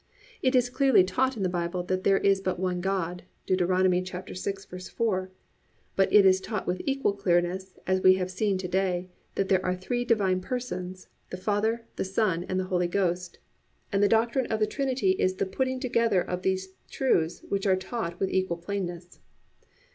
It is clearly taught in the Bible that there is but one God (Deuteronomy 6:4). But it is taught with equal clearness, as we have seen to day, that there are three Divine Persons, the Father, the Son and the Holy Ghost; and the doctrine of the Trinity is the putting together of these truths which are taught with equal plainness.